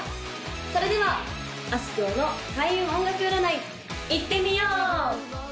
それではあすきょうの開運音楽占いいってみよう！